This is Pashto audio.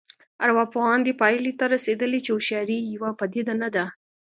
ارواپوهان دې پایلې ته رسېدلي چې هوښیاري یوه پدیده نه ده